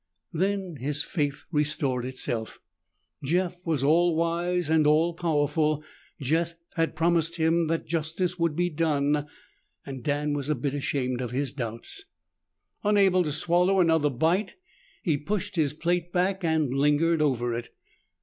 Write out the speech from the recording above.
Then his faith restored itself. Jeff was all wise and all powerful. Jeff had promised him that justice would be done. Dan was a bit ashamed of his doubts.... Unable to swallow another bite, he pushed his plate back and lingered over it.